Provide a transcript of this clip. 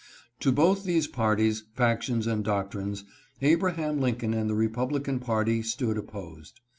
To both these parties, factions, and doctrines, Abraham Lin coln and the republican party stood opposed.